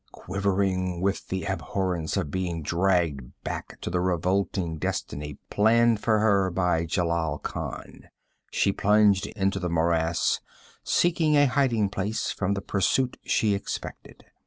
Quivering with the abhorrence of being dragged back to the revolting destiny planned for her by Jelal Khan, she plunged into the morass, seeking a hiding place from the pursuit she expected.